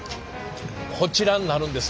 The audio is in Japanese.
こちらになるんです。